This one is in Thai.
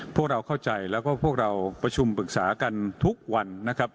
พวกเราเข้าใจแล้วก็พวกเราประชุมปรึกษากันทุกวันนะครับ